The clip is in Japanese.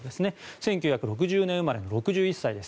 １９６０年生まれの６１歳です。